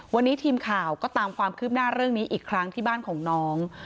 วันนี้ทีมข่าวก็ตามความคืบหน้าเรื่องนี้อีกครั้งที่บ้านของน้อง